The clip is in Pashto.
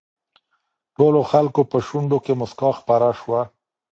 ټولو خلکو په شونډو کې مسکا خپره شوه.